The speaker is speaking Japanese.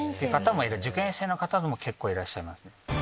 受験生の方も結構いらっしゃいますね。